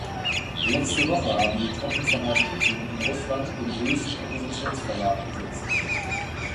Letzte Woche haben die Truppen von Herrn Putin in Russland den größten Oppositionsverlag besetzt.